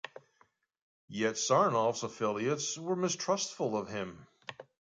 Yet Sarnoff's affiliates were mistrustful of him.